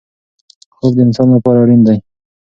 خوب د انسان لپاره اړین دی.